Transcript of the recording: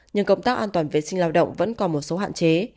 nhưng công tác an toàn vệ sinh lao động vẫn còn một số hạn chế